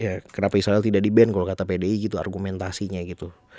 ya kenapa israel tidak di ban kalau kata pdi gitu argumentasinya gitu